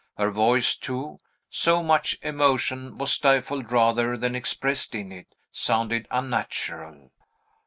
Her voice, too, so much emotion was stifled rather than expressed in it, sounded unnatural.